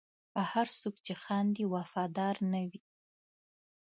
هر څوک چې خاندي، وفادار نه وي.